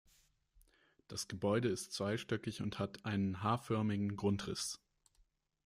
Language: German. Das Gebäude ist zweistöckig und hat einen H-förmigen Grundriss.